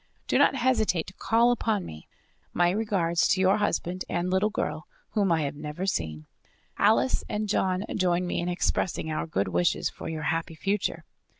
Do not hesitate to call upon me. My regards to your husband and little girl whom I have never seen; Alice and John join me in expressing our good wishes for your happy future.